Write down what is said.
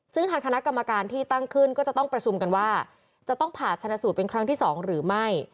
ซึ่งทางคณะกรรมการที่ตั้งขึ้นก็จะต้องประชุมกันว่าจะต้องผ่าชนะสูตรเป็นครั้งที่๒หรือไม่